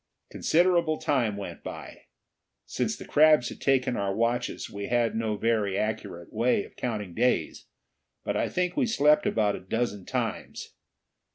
Considerable time went by. Since the crabs had taken our watches, we had no very accurate way of counting days; but I think we slept about a dozen times.